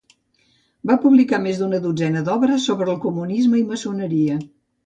Va publicar més d'una dotzena d'obres sobre el comunisme i maçoneria.